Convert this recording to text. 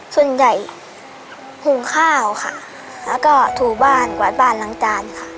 ส่วนใหญ่หุงข้าวค่ะแล้วก็ถูบ้านกวาดบ้านล้างจานค่ะ